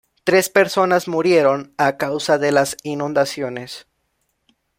Tres personas murieron a causa de las inundaciones.